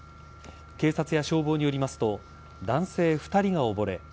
警察や消防によりますと男性２人が溺れ